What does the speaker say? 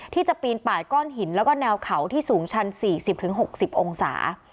ที่จะปีนป่ายก้อนหินแล้วก็แนวเขาที่สูงชัน๔๐๖๐องศา